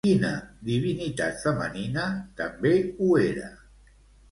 I quina divinitat femenina també ho era?